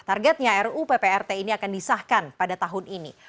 targetnya ruu pprt ini akan disahkan pada tahun ini